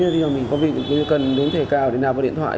nếu mình có việc cần đối thẻ cao để nạp vào điện thoại